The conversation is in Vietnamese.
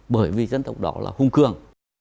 bởi vì dân tộc đó là hùng cường